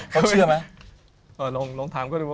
แต่ไม่ได้เชื่อ